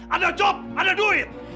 ada kerja ada duit